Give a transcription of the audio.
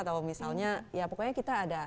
atau misalnya ya pokoknya kita ada